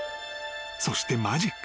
そしてマジック］